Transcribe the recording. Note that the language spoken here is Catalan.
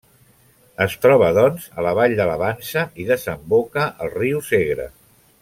Es troba, doncs, a la vall de la Vansa i desemboca al riu Segre.